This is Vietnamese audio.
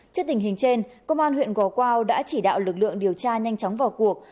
trước tình hình trên công an huyện gò quao đã chỉ đạo lực lượng điều tra nhanh chóng vào cuộc